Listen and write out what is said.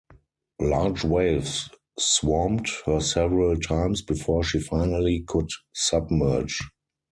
Large waves swamped her several times before she finally could submerge.